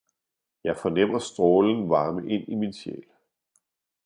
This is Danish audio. jeg fornemmer strålen varme ind i min sjæl!